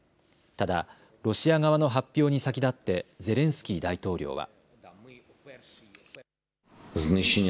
ただロシア側の発表に先立ってゼレンスキー大統領は。